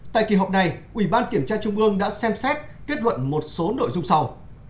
tại kỳ họp này ủy ban kiểm tra trung ương đã xem xét kết luận một số nội dung sau